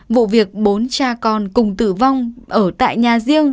vụ việc bốn cha con cùng tử vong ở tại nhà riêng